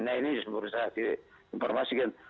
nah ini saya ingin informasikan